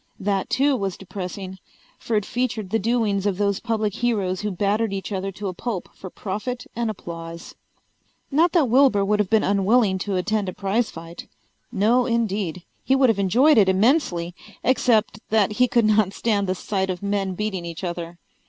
That too was depressing, for it featured the doings of those public heroes who battered each other to a pulp for profit and applause. Not that Wilbur would have been unwilling to attend a prize fight. No indeed. He would have enjoyed it immensely, except that he could not stand the sight of men beating each other.